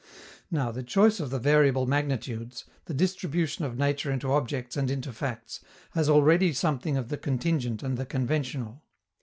Now, the choice of the variable magnitudes, the distribution of nature into objects and into facts, has already something of the contingent and the conventional.